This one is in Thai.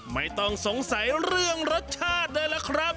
ไม่ต้องสงสัยเรื่องรสชาติเลยล่ะครับ